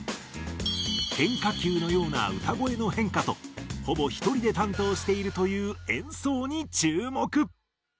変化球のような歌声の変化とほぼ一人で担当しているという演奏に注目！